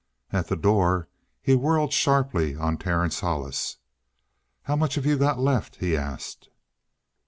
At the door he whirled sharply on Terence Hollis. "How much have you got left?" he asked.